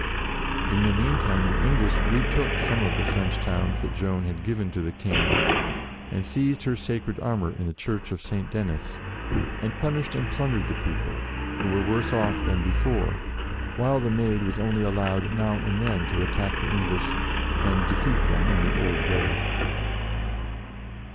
In the meantime the English retook some of the French towns that Joan had given to the King, and seized her sacred armour in the Church of Saint Denis, and punished and plundered the people, who were worse off than before, while the Maid was only allowed now and then to attack the English, and defeat them in the old way.